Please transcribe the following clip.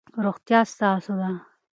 روغتیا ستاسو ده.